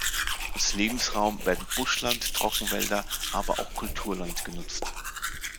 Als Lebensraum werden Buschland, Trockenwälder, aber auch Kulturland genutzt.